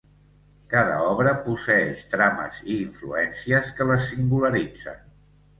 Cada obra posseeix trames i influències que les singularitzen.